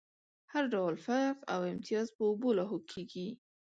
هر ډول فرق او امتياز په اوبو لاهو کېږي.